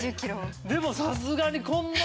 でもさすがにこんなまくかな？